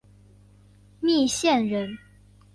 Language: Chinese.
密县人。